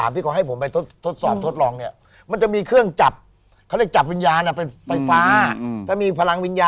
อันนี้ไงนั่งอยู่นี่๒ตัวนั่งอยู่เนี่ย